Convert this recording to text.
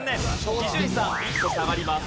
伊集院さん１個下がります。